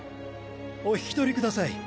お引き取りください。